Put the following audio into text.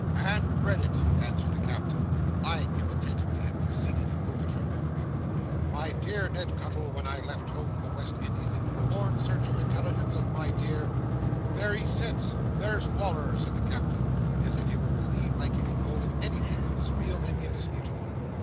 "And read it," answered the Captain, eyeing him attentively, and proceeding to quote it from memory. "'My dear Ned Cuttle, when I left home for the West Indies in forlorn search of intelligence of my dear ' There he sits! There's Wal"r!" said the Captain, as if he were relieved by getting hold of anything that was real and indisputable.